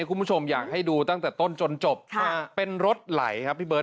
คุณผู้ชมอยากให้ดูตั้งแต่ต้นจนจบเป็นรถไหลครับพี่เบิร์